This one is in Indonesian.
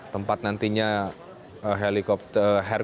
tempat nantinya hercules akan mendarat